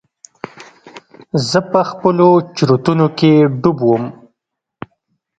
زه په خپلو چورتونو کښې ډوب وم.